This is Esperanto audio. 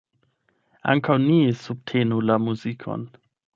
Ankaŭ ni subtenu la muzikon.